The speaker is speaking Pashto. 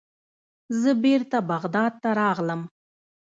زه بیرته بغداد ته راغلم.